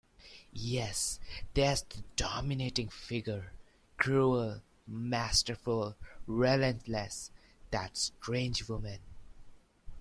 Yes, there's the dominating figure — cruel, masterful, relentless — that strange woman.